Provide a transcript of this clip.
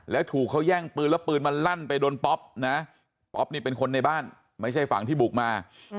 แล้วถูกเขาแย่งปืนแล้วปืนมันลั่นไปโดนป๊อปนะป๊อปนี่เป็นคนในบ้านไม่ใช่ฝั่งที่บุกมา